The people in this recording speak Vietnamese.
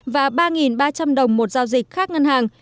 và ba ba trăm linh đồng một giao dịch khác ngân hàng